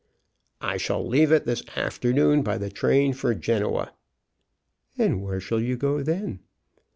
"I shall leave it this afternoon by the train for Genoa." "And where shall you go then?"